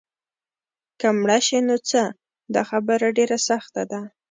که مړه شي نو څه؟ دا خبره ډېره سخته ده.